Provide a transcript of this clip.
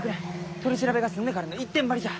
「取り調べが済んでから」の一点張りじゃ。